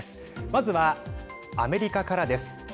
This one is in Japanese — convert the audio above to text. まずは、アメリカからです。